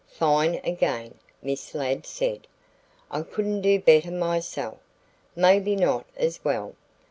"Fine again," Miss Ladd said. "I couldn't do better myself, maybe not as well.